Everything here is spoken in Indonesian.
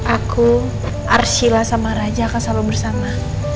aku arshila sama raja akan selalu bersama